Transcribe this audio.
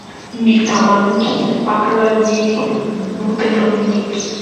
mi kama lukin e pakala lili mute lon ni.